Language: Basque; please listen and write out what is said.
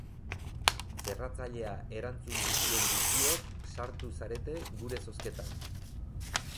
Ferratzailea erantzun duzuen guztiok sartu zarete gure zozketan.